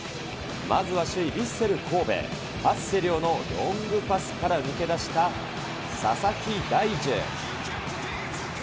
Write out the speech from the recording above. まずは首位ヴィッセル神戸、初瀬亮のロングパスから抜け出した佐々木大樹。